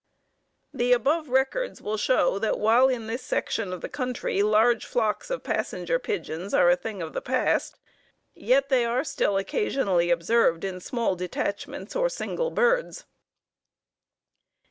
The above records will show that while in this section of the country large flocks of Passenger Pigeons are a thing of the past, yet they are still occasionally observed in small detachments or single birds.